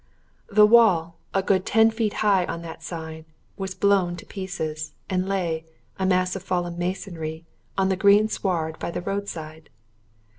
The wall, a good ten feet high on that side, was blown to pieces, and lay, a mass of fallen masonry, on the green sward by the roadside.